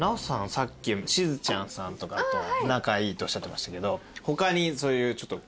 さっきしずちゃんさんとかと仲いいとおっしゃってましたけど。